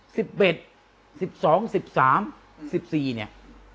สิบเอ็ดสิบสองสิบสามสิบสี่เนี้ย